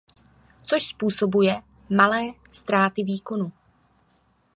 Což způsobuje malé ztráty výkonu.